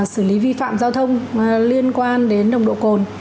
sử lý vi phạm giao thông liên quan đến nồng độ khổn